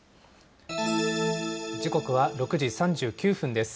時刻は６時３９分です。